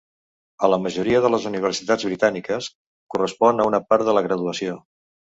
A la majoria de les universitats britàniques, correspon a una part de la graduació.